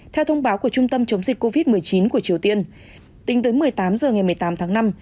theo thông báo của trung tâm chống dịch covid một mươi chín của triều tiên tính tới một mươi tám h ngày một mươi tám tháng năm